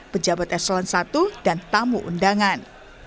pejabat eselan satu dan tamu undangan